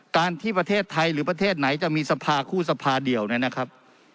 การที่ประเทศไทยหรือประเทศไหนจะมีสภาคู่สภาเดียวเนี่ยนะครับ